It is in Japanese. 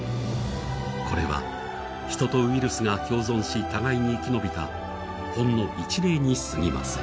これは、ヒトとウイルスが共存し互いに生き延びたほんの一例にすぎません。